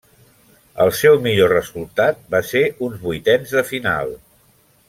El seu millor resultat va ser uns vuitens de final.